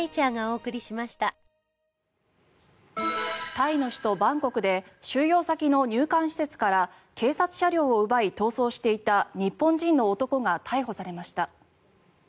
タイの首都バンコクで収容先の入管施設から警察車両を奪い逃走していた日本人の男が逮捕されました。